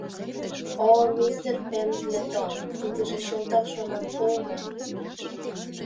— О, мистер Пендлетон, тидыже чылтак шонанпыл гай.